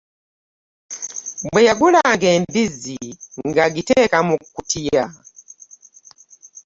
Bwe yagulanga embizzi ng'agiteeka mu kkutiya.